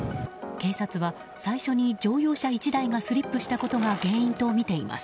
警察は最初に乗用車１台がスリップしたことが原因とみています。